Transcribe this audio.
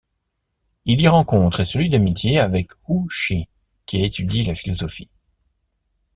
Il y rencontre et se lie d’amitié avec Hu Shi qui étudie la philosophie.